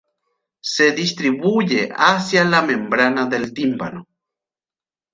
Se distribuye hacia la "membrana del tímpano".